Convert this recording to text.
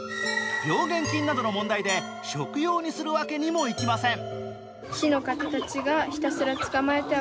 病原菌などの問題で食用にするわけにもいきません。